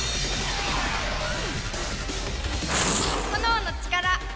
炎の力